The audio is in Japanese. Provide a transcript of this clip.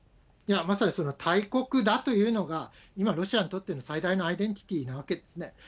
まさにその大国だというのが、今、ロシアにとっての最大のアイデンティティーなわけですね。